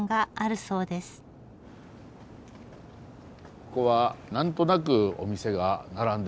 ここは何となくお店が並んでます。